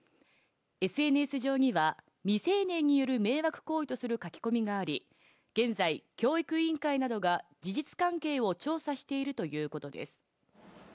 ＳＮＳ上には、未成年による迷惑行為とする書き込みがあり、現在、教育委員会などが事実関係を調査しているということです。